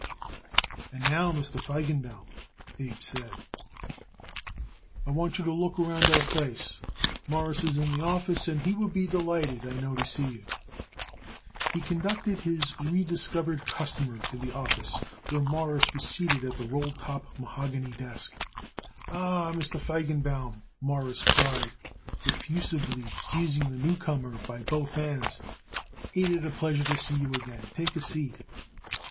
"And now, Mr. Feigenbaum," Abe said, "I want you to look around our place. Mawruss is in the office, and he would be delighted, I know, to see you." He conducted his rediscovered customer to the office, where Morris was seated at the roll top mahogany desk. "Ah, Mr. Feigenbaum," Morris cried, effusively seizing the newcomer by both hands, "ain't it a pleasure to see you again! Take a seat."